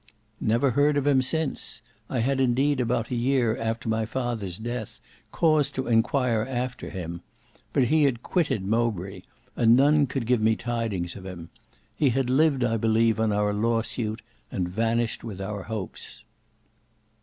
"Never heard of him since. I had indeed about a year after my father's death, cause to enquire after him; but he had quitted Mowbray, and none could give me tidings of him. He had lived I believe on our law suit, and vanished with our hopes."